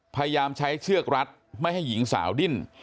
พยายามใช้เชือกรัดไม่ให้หญิงสาวดิ้น